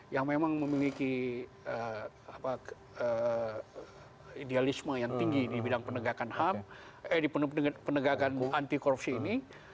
yang memang memiliki idealisme yang tinggi di bidang penegakan anti korupsi ini